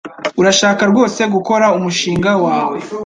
Urashaka rwose gukora umushinga wawe?